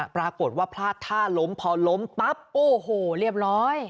ปรากฏว่าพลาดท่าล้มพอล้มปั๊บโอ้โหเรียบร้อย